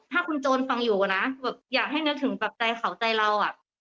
ถ้าคุณโจรฟังอยู่นะแบบอยากให้นึกถึงแบบใจเขาใจเราอ่ะ